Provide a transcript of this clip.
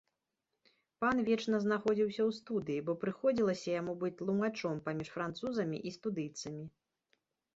Пан вечна знаходзіўся ў студыі, бо прыходзілася яму быць тлумачом паміж французамі і студыйцамі.